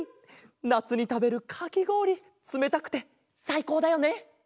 なつにたべるかきごおりつめたくてさいこうだよね。